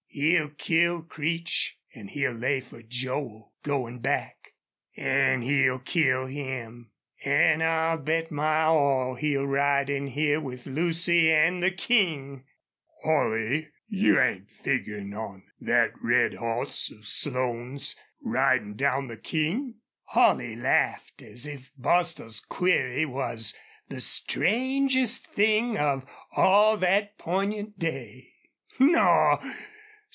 He'll kill Creech, an' he'll lay fer Joel goin' back an' he'll kill him.... An' I'll bet my all he'll ride in here with Lucy an' the King!" "Holley, you ain't figurin' on thet red hoss of Slone's ridin' down the King?" Holley laughed as if Bostil's query was the strangest thing of all that poignant day. "Naw.